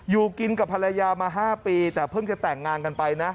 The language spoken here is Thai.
อยู่กินกับภรรยามา๕ปีแต่เพิ่งจะแต่งงานกันไปนะ